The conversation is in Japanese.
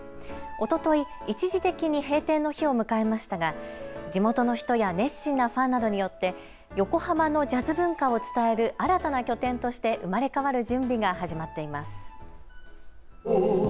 おととい、一時的に閉店の日を迎えましたが地元の人や熱心なファンなどによって横浜のジャズ文化を伝える新たな拠点として生まれ変わる準備が始まっています。